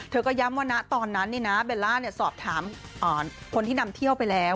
ก็ย้ำว่านะตอนนั้นเบลล่าสอบถามคนที่นำเที่ยวไปแล้ว